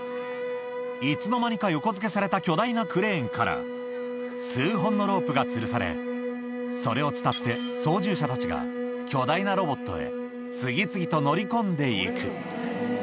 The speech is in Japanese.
いつの間にか横付けされた巨大なクレーンから、数本のロープがつるされ、それを伝って、操縦者たちが巨大なロボットへ、始まるわよ。